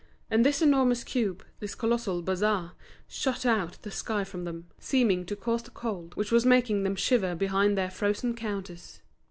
And this enormous cube, this colossal bazaar, shut out the sky from them, seeming to cause the cold which was making them shiver behind their frozen counters.